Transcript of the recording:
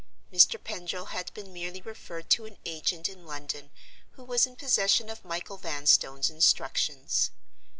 Mr. Pendril had been merely referred to an agent in London who was in possession of Michael Vanstone's instructions.